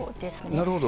なるほど。